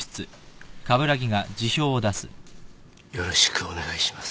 よろしくお願いします。